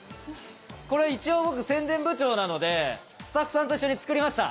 これ、一応僕、宣伝部長なのでスタッフさんと一緒に作りました。